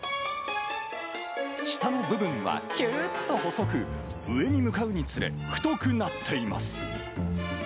下の部分はきゅっと細く、上に向かうにつれ太くなっています。